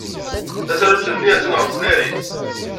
Tasarut-nni attan ɣef tnarit.